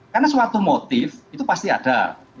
karena suatu motif itu pasti ada